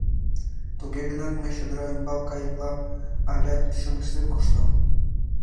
Туге гынат мый чодыра ӱмбал кайыкла алят чоҥештен коштам!..